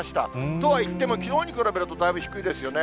とはいっても、きのうに比べるとだいぶ低いですよね。